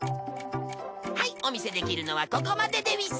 はいお見せできるのはここまででうぃす！